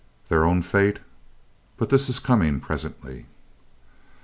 Their own fate but this is coming presently.